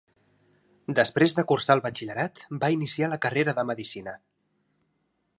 Després de cursar el batxillerat, va iniciar la carrera de Medicina.